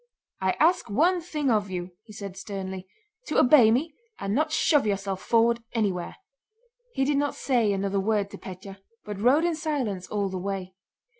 "I ask one thing of you," he said sternly, "to obey me and not shove yourself forward anywhere." He did not say another word to Pétya but rode in silence all the way.